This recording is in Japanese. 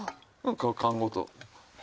こう缶ごと。